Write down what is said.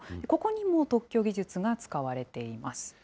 ここにも特許技術が使われています。